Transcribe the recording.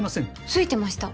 ついてました。